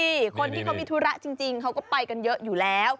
คนที่เขามีธุระจริงเขาก็ไปกันเยอะอยู่แล้ว